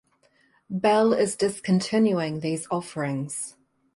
Bell is discontinuing these offerings.